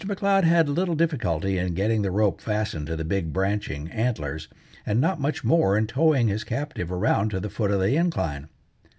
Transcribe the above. M'Leod had little difficulty in getting the rope fastened to the big branching antlers, and not much more in towing his captive around to the foot of the incline.